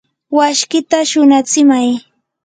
washkita shunatsimay.